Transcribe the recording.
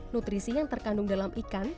nutrisi yang terkandung dalam ikan